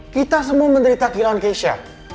kita semua menderita kehilangan kesia